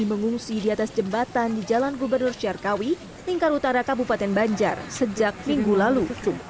mengungsi di atas jembatan di jalan gubernur syarkawi lingkar utara kabupaten banjar sejak minggu lalu